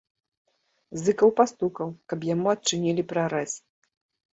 Зыкаў пастукаў, каб яму адчынілі прарэз.